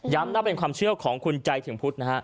ย้ำเล่านั่นเป็นความเชื่อของคุณใจถึงพุทธ